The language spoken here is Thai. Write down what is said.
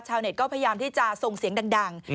เน็ตก็พยายามที่จะส่งเสียงดัง